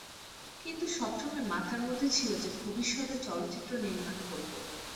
কিন্তু সব সময় মাথার মধ্যে ছিল যে ভবিষ্যতে চলচ্চিত্র নির্মাণ করব।